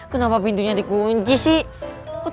kenapa pintunya dikunci sih